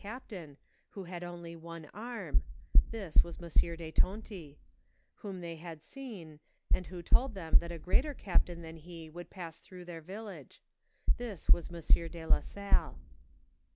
219 captain, who had only one arm (this was Monsieur de Tonty), whom they had seen, and who told them that a greater cap tain than he would pass through their village ; this was Mon sieur de la Salle.